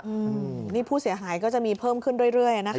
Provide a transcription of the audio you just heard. อืมนี่ผู้เสียหายก็จะมีเพิ่มขึ้นเรื่อยเรื่อยนะคะ